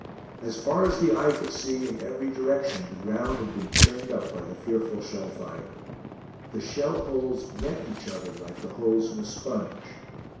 As far as the eye could see in every direction the ground had been churned up by the fearful shell fire. The shell holes met each other like the holes in a sponge.